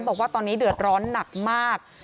บอกว่าตอนนี้เดือดร้อนหนักมาก